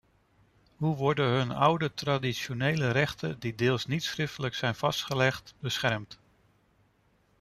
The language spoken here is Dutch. Hoe worden hun oude, traditionele rechten die deels niet schriftelijk zijn vastgelegd, beschermd?